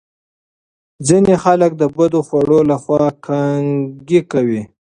ځینې خلک د بدو خوړو له خوا کانګې کوي.